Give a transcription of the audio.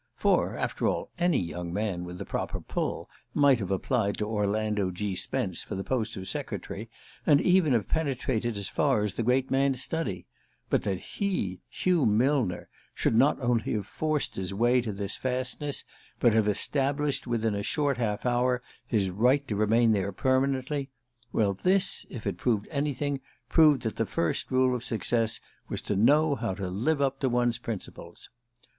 For, after all, any young man with the proper "pull" might have applied to Orlando G. Spence for the post of secretary, and even have penetrated as far as the great man's study; but that he, Hugh Millner, should not only have forced his way to this fastness, but have established, within a short half hour, his right to remain there permanently: well, this, if it proved anything, proved that the first rule of success was to know how to live up to one's principles.